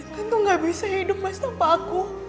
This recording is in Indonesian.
tentu gak bisa hidup mas topa aku